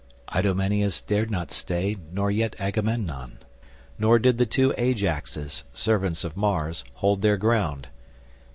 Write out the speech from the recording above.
Idomeneus dared not stay nor yet Agamemnon, nor did the two Ajaxes, servants of Mars, hold their ground.